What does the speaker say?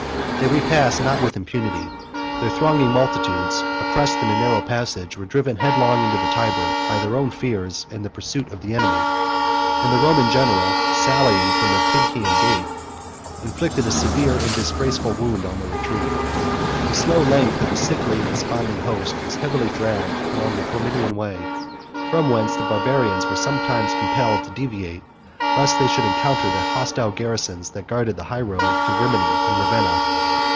They repassed not with impunity: their thronging multitudes, oppressed in a narrow passage, were driven headlong into the Tyber, by their own fears and the pursuit of the enemy; and the Roman general, sallying from the Pincian gate, inflicted a severe and disgraceful wound on their retreat. The slow length of a sickly and desponding host was heavily dragged along the Flaminian way; from whence the Barbarians were sometimes compelled to deviate, lest they should encounter the hostile garrisons that guarded the high road to Rimini and Ravenna.